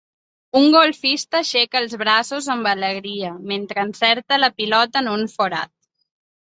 Un golfista aixeca els braços amb alegria mentre encerta la pilota en un forat.